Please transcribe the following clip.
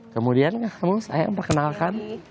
kemudian kamu sayang perkenalkan